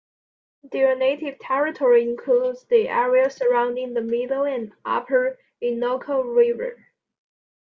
Their native territory includes the area surrounding the middle and upper Innoko River.